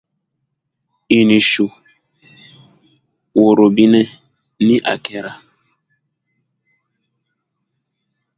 Ka taga yɛrɛkiimɛlibaara faan fɛ, kalanden bi se: